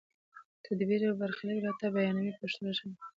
تدبیر او برخلیک راته بیانوي په پښتو ژبه.